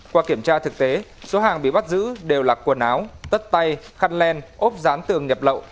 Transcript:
qua kiểm tra thực tế số hàng bị bắt giữ đều là quần áo tất tay khăn len ốp dán tường nhập lậu